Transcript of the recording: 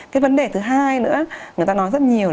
cái vấn đề thứ hai nữa người ta nói rất nhiều là